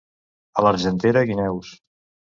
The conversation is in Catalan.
A l'Argentera, guineus.